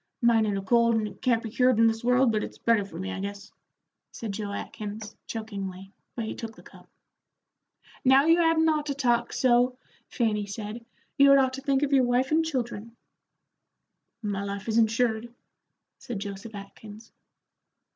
"Mine ain't a cold, and it can't be cured in this world, but it's better for me, I guess," said Joe Atkins, chokingly, but he took the cup. "Now, you hadn't ought to talk so," Fanny said. "You had ought to think of your wife and children." "My life is insured," said Joseph Atkins.